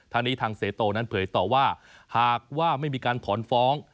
ทางนี้ทางเสโตนั้นเผยต่อว่าหากว่าไม่มีการถอนฟ้อง